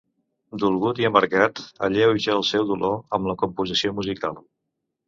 Dolgut i amargat, alleuja el seu dolor amb la composició musical.